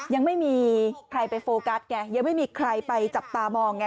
ยังไม่มีใครไปโฟกัสไงยังไม่มีใครไปจับตามองไง